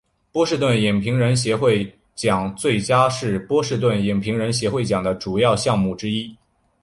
波士顿影评人协会奖最佳是波士顿影评人协会奖的主要奖项之一。